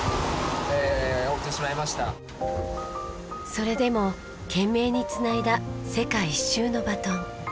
それでも懸命に繋いだ世界一周のバトン。